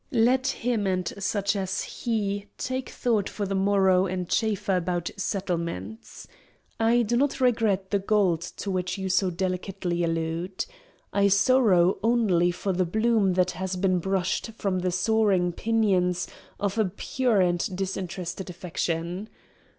Let him, and such as he, take thought for the morrow and chaffer about settlements. I do not regret the gold to which you so delicately allude. I sorrow only for the bloom that has been brushed from the soaring pinions of a pure and disinterested affection.